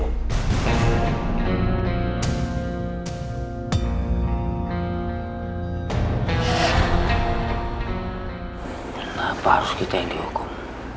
kenapa harus kita yang dihukum